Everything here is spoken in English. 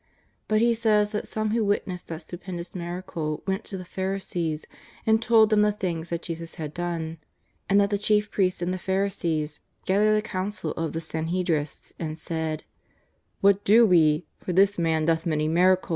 But he says that some who witnessed that stupendous miracle went to the Pharisees and told them the things that Jesus had done, and that the chief pries+s and the Pharisees gathered a council of the San hedrists and said :" What do we, for this Man doth many miracles